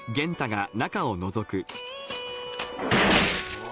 うわ。